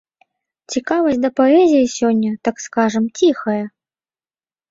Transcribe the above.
Цікавасць да паэзіі сёння, так скажам, ціхая.